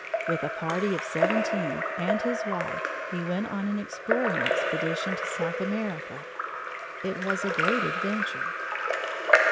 With a party of seventeen and his wife, he went on an exploring expedition to South America. It was a great adventure.